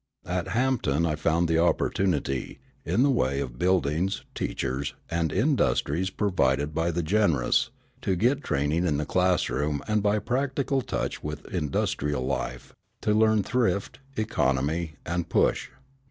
At Hampton I found the opportunity in the way of buildings, teachers, and industries provided by the generous to get training in the classroom and by practical touch with industrial life, to learn thrift, economy, and push.